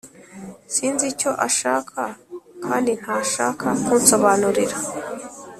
sinzi icyo ashaka kandi ntashaka kunsobanurira